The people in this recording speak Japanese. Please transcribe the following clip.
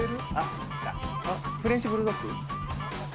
フレンチブルドッグ？